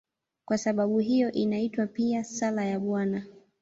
Kwa sababu hiyo inaitwa pia "Sala ya Bwana".